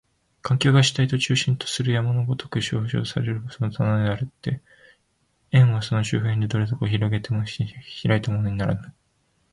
環境が主体を中心とする円の如く表象されるのもそのためであって、円はその周辺をどれほど拡げても開いたものとはならぬ。